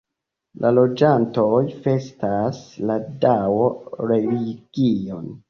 La loĝantoj festas la Dao-religion.